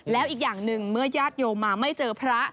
แล้วอีกอย่างหนึ่งเมื่อญาติโยมมาไม่เจอพระ